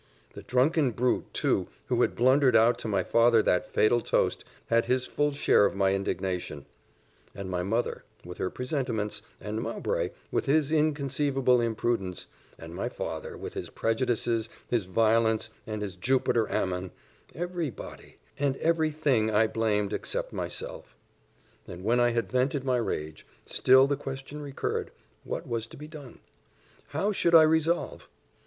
The drunken brute, too, who had blundered out to my father that fatal toast, had his full share of my indignation; and my mother, with her presentiments and Mowbray, with his inconceivable imprudence and my father, with his prejudices, his violence, and his Jupiter Ammon every body, and every thing I blamed, except myself. And when I had vented my rage, still the question recurred, what was to be done? how should I resolve?